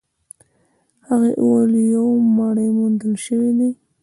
هغې وويل يو مړی موندل شوی دی.